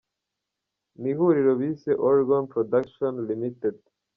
Ni ihuriro bise Oregon Production Ltd.